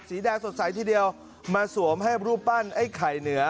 สีแดงสดใสทีเดียวมาสวมให้รูปปั้นไอ้ไข่เหนือ